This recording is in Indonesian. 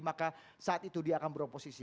maka saat itu dia akan beroposisi